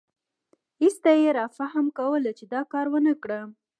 ایسته یې رافهم کوله چې دا کار ونکړم.